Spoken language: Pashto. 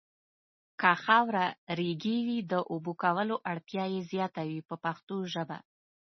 که خاوره ریګي وي د اوبو کولو اړتیا یې زیاته وي په پښتو ژبه.